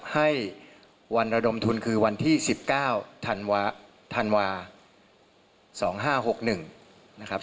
ให้วันระดมทุนคือวันที่๑๙ธันวาคม๒๕๖๑